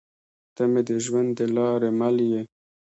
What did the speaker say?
تۀ مې د ژوند د لارې مل يې